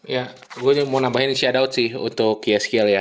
ya gue mau nambahin shoutout sih untuk yeskiel ya